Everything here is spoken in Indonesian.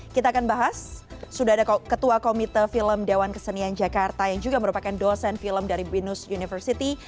kita akan bahas sudah ada ketua komite film dewan kesenian jakarta yang juga merupakan dosen film dari binus university